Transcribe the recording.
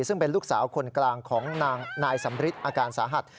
ซึ่งเป็นลูกสาวคนกลางของนายสำริทอาการสาหัส